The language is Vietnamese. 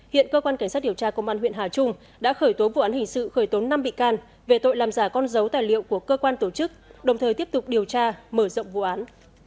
hiện cơ quan cảnh sát điều tra công an huyện hà trung đã khởi tố vụ án hình sự khởi tố năm bị can về tội làm giả con dấu tài liệu của cơ quan tổ chức đồng thời tiếp tục điều tra mở rộng vụ án